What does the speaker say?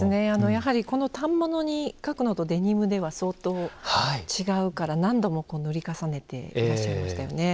やはりこの反物に描くのとデニムでは相当違うから何度も塗り重ねていらっしゃいましたね。